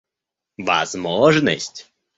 возможность